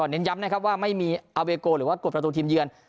น้อยย้ำว่าไม่มีอะเวโกะหรือว่ากฎประตูทีมเยือน